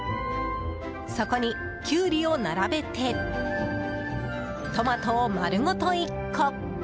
そこに、キュウリを並べてトマトを丸ごと１個。